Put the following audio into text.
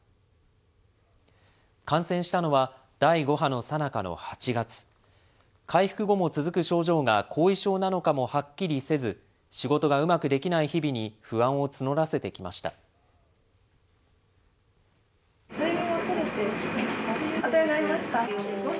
感染したのは第５波のさなかの８月、回復後も続く症状が後遺症なのかもはっきりせず、仕事がうまくできない日々に不安を募らせてきました。